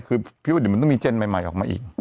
คือพิวดิมันต้องมีเจนใหม่ออกมาอีก